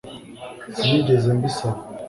Sinigeze mbisaba